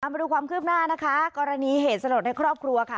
มาดูความคืบหน้านะคะกรณีเหตุสลดในครอบครัวค่ะ